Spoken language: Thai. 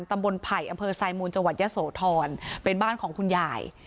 ตำบลไผ่อำเภอไซมูลจยศธรเป็นบ้านของคุณยาย